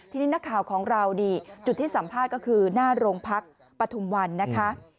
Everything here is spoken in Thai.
ทีนี้นักข่าวของเรานี่จุดที่สัมภาษณ์ก็คือหน้าโรงพักปฐุมวันนะคะ